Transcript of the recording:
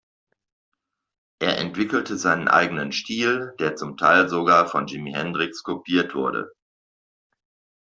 Er entwickelte seinen eigenen Stil, der zum Teil sogar von Jimi Hendrix kopiert wurde.